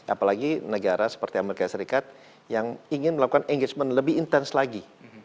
apalagi negara seperti amerika serikat yang ingin melakukan engagement lebih intens lagi